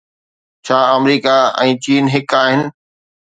ڇا آمريڪا ۽ چين هڪ آهن؟